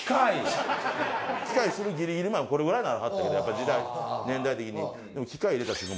機械するギリギリまでこれぐらいならはったけどやっぱ年代的にでも機械入れた瞬間